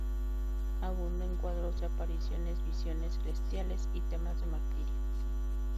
Abunda en cuadros de apariciones, visiones celestiales y temas de martirio.